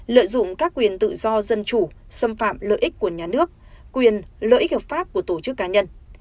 lợi dụng các quyền tự do dân chủ xâm phạm lợi ích của nhà nước quyền lợi ích hợp pháp của tổ chức cá nhân